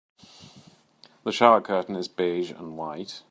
The shower curtain is beige and white.